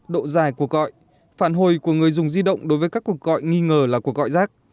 độ dài cuộc gọi phản hồi của người dùng di động đối với các cuộc gọi nghi ngờ là cuộc gọi rác